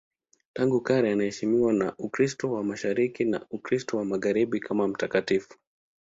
Tangu kale anaheshimiwa na Ukristo wa Mashariki na Ukristo wa Magharibi kama mtakatifu.